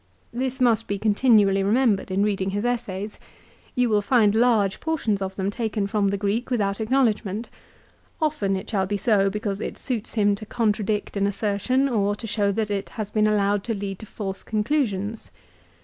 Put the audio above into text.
This must be continually remembered in reading his essays. You will find large portions of them taken from the Greek without acknow ledgment. Often it shall be. so, because it suits him to contradict an assertion or to show that it has been allowed to lead to false conclusions.